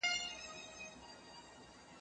ملا په خوب کې ځان لیدلی و.